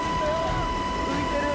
浮いてる。